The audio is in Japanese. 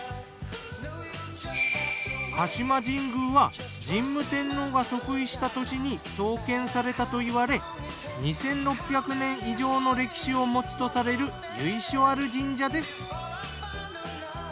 鹿島神宮は神武天皇が即位した年に創建されたといわれ２，６００年以上の歴史をもつとされる由緒ある神社です。